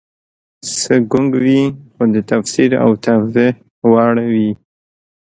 څه ګونګ وي خو د تفسیر او توضیح وړ وي